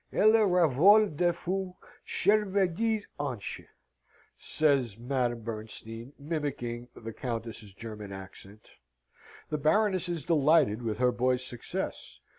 "Elle ravvole de fous, cher bedid anche!" says Madame Bernstein, mimicking the Countess's German accent. The Baroness is delighted with her boy's success.